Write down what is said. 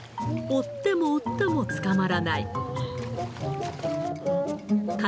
追っても追っても捕まらない。